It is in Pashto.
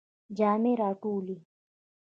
جامی را ټولوئ؟